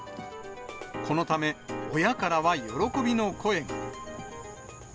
このため、親からは喜びの声が。